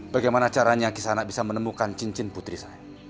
bagaimana caranya kisanak bisa menemukan cincin putri saya